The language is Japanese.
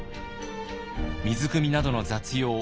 水くみなどの雑用